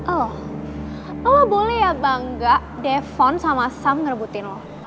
oh lo boleh ya bangga defon sama sam ngerebutin lo